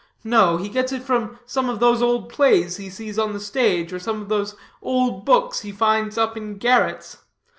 No, he gets it from some of those old plays he sees on the stage, or some of those old books he finds up in garrets.